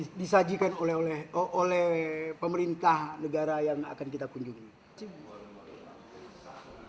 untuk memudahkan pelayanan kantor imigrasi jakarta utara beberapa waktu lalu juga telah membuka pelayanan pembuatan paspor secara online